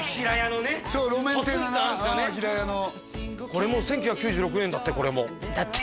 これも１９９６年だってこれも「だって」